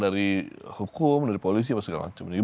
dari hukum dari polisi apa segala macam